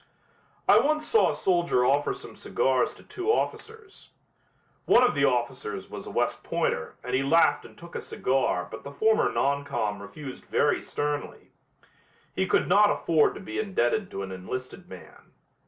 I once saw a soldier offer some cigars to two officers. One of the officers was a West Pointer and he laughed and took a cigar but the former non com. refused very sternly. He could not afford to be indebted to an enlisted man.